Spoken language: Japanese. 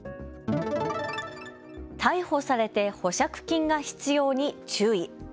逮捕されて保釈金が必要に注意。